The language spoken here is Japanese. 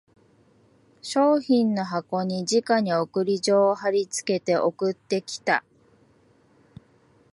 商品の箱にじかに送り状を張りつけて送ってきた